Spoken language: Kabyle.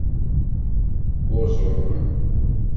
Uẓum.